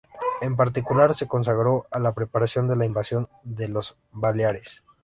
En particular se consagró a la preparación de la invasión de las Baleares.